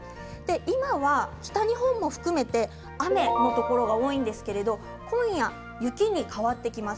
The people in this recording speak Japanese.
今は北日本も含めて雨のところが多いんですけれど今夜、雪に変わってきます。